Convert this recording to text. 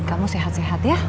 kamu sehat sehat ya